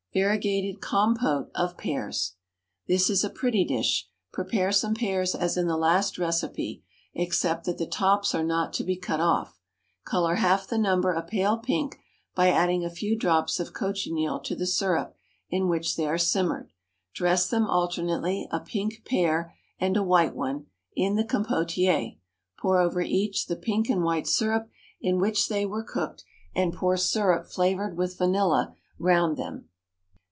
Variegated Compote of Pears. This is a pretty dish. Prepare some pears as in the last recipe, except that the tops are not to be cut off; color half the number a pale pink by adding a few drops of cochineal to the syrup in which they are simmered; dress them alternately, a pink pear and a white one, in the compotier; pour over each the pink and white syrup in which they were cooked, and pour syrup flavored with vanilla round them.